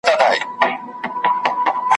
څوچي څاڅکي ترې تویېږي ,